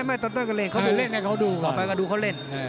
ไม่ตอนต้นก็เล่นเขาไปเล่นให้เขาดูต่อไปก็ดูเขาเล่น